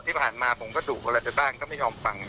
แต่ที่ผ่านมาผมก็ดกบว่าอย่างไรในบ้านก็ไม่ยอมฟัง